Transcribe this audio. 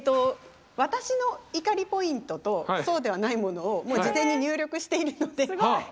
私の怒りポイントとそうではないものをもう事前に入力しているので。